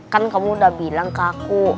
kan kamu udah bilang ke aku